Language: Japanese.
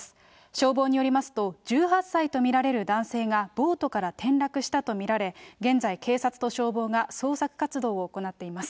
消防によりますと、１８歳と見られる男性がボートから転落したと見られ、現在、警察と消防が捜索活動を行っています。